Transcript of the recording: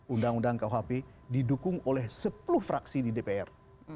undang undang kuhp didukung oleh sepuluh fraksi di dpr